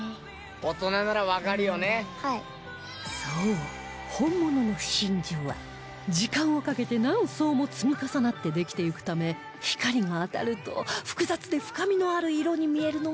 そう本物の真珠は時間をかけて何層も積み重なってできていくため光が当たると複雑で深みのある色に見えるのがポイント